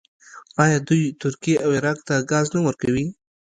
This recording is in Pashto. آیا دوی ترکیې او عراق ته ګاز نه ورکوي؟